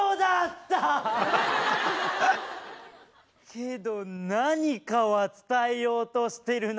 けど何かは伝えようとしてるな。